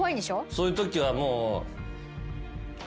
そういうときはもう。